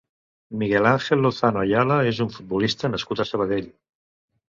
Miguel Ángel Lozano Ayala és un futbolista nascut a Sabadell.